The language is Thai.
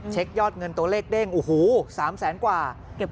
เช็คยอดเงินตัวเลขเด้งโอ้โห๓แสนกว่า